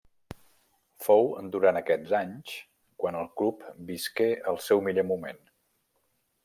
Fou durant aquests anys quan el Club visqué el seu millor moment.